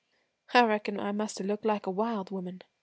'I reckon I must have looked like a wild woman.